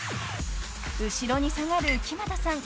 ［後ろに下がる木全さん］